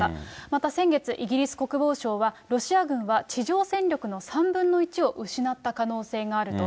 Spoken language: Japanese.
また先月、イギリス国防省はロシア軍は地上戦力の３分の１を失った可能性があると。